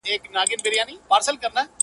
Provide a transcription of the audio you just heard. له کوم ځای له کوم کتابه یې راوړی!!